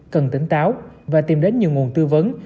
cần tỉnh táo và tìm đến nhiều nguồn tư vấn